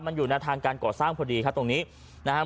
มันอยู่ในทางการก่อสร้างพอดีครับตรงนี้นะครับ